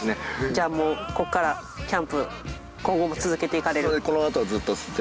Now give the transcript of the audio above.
じゃあもうここからキャンプ今後も続けていかれる。